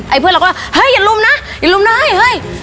เพื่อนเราก็เฮ้ยอย่าลุมนะอย่าลุมนะเฮ้ย